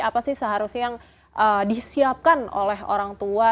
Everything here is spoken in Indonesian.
apa sih seharusnya yang disiapkan oleh orang tua